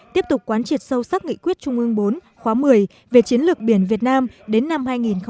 tiếp tục quán triệt sâu sắc nghị quyết trung ương bốn khóa một mươi về chiến lược biển việt nam đến năm hai nghìn ba mươi